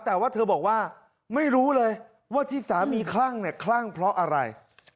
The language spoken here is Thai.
แต่ว่าเธอบอกว่าไม่รู้เลยว่าที่สามีคลั่งเนี่ยคลั่งเพราะอะไร